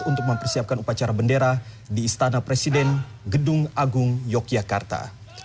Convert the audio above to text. untuk mempersiapkan upacara bendera di istana presiden gedung agung yogyakarta